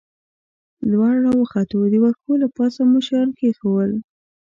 لوړ را وختو، د وښو له پاسه مو شیان کېښوول.